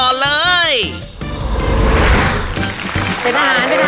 นี่หางให้ลง